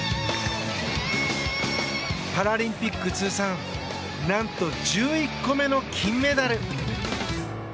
パラリンピック通算何と１１個目の金メダル。